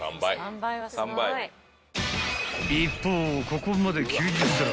［一方ここまで９０皿］